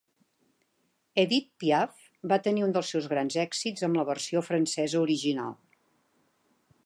Edith Piaf va tenir un dels seus grans èxits amb la versió francesa original.